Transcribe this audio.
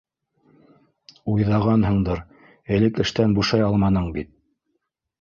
Уйҙанғанһындыр: элек эштән бушай алманың бит.